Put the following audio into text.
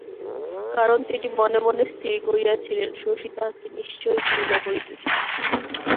কারণ, তিনি মনে মনে স্থির করিয়াছিলেন, শশী তাঁহাকে নিশ্চয় ঘৃণা করিতেছে।